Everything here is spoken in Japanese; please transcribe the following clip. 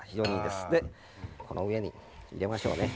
でこの上に入れましょうね。